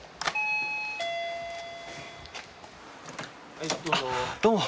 はいどうぞ。